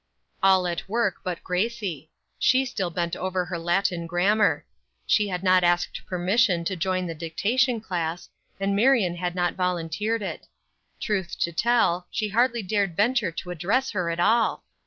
All at work but Gracie. She still bent over her Latin grammar. She had not asked permission to join the dictation class, and Marion had not volunteered it. Truth to tell, she hardly dared venture to address her at all.